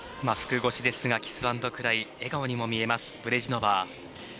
マスク越しですがキスアンドクライ笑顔にも見えます、ブレジノバー。